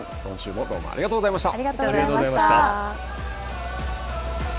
今週もどうもありがとうございました。